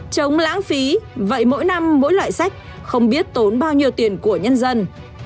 chống lãng phí vậy mỗi năm mỗi loại sách không biết tốn bao nhiêu tiền của nhân dân